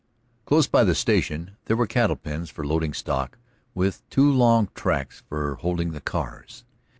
Close by the station there were cattle pens for loading stock, with two long tracks for holding the cars.